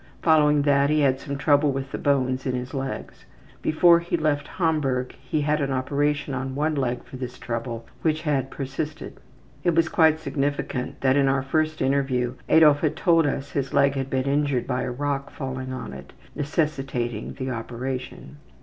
Following that he had some trouble with the bones in his legs. Before he left Hamburg he had an operation on one leg for this trouble which had persisted. (It was quite significant that in our first interview Adolf had told us his leg had been injured by a rock falling on it, necessitating the operation.)